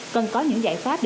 cần có những giải pháp